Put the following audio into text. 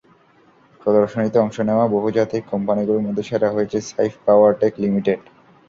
প্রদর্শনীতে অংশ নেওয়া বহুজাতিক কোম্পানিগুলোর মধ্যে সেরা হয়েছে সাইফ পাওয়ারটেক লিমিটেড।